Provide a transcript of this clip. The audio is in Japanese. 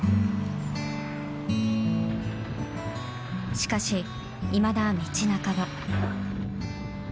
しかし、いまだ道半ば。